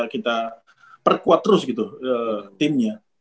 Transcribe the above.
kita perkuat terus gitu timnya